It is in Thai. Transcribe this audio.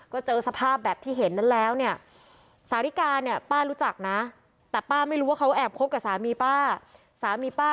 ก็เจอสภาพแบบที่เห็นนั้นแล้วเนี่ยสาริกาเนี่ยป้ารู้จักนะแต่ป้าไม่รู้ว่าเขาแอบคบกับสามีป้าสามีป้า